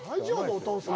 お父さん。